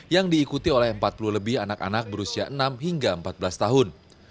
yang diikuti oleh empat puluh lebih anak anak berusia enam hingga empat belas tahun